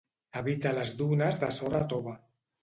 Evita les dunes de sorra tova.